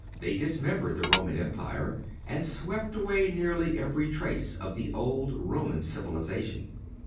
They dismembered the Roman Empire and swept away nearly every trace of the old Roman civilization.